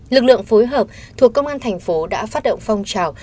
lực lượng phối hợp thuộc công an thành phố đã phát động phong trào